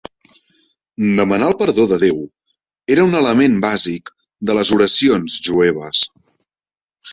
Demanar el perdó de Déu era un element bàsic de les oracions jueves.